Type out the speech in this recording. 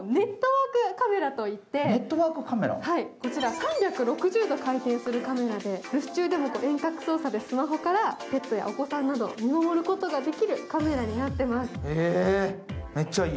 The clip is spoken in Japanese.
３６０度回転するカメラで遠隔操作でスマホからペットやお子さんなどを見守ることができるカメラになっています。